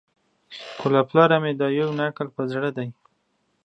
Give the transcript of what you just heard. خو له پلاره مي دا یو نکل په زړه دی